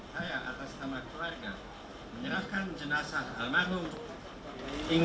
saya atas nama keluarga menyerahkan jenazah almarhum